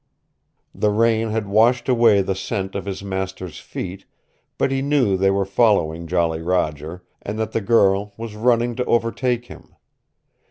The rain had washed away the scent of his master's feet but he knew they were following Jolly Roger, and that the girl was running to overtake him.